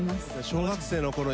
小学生のころ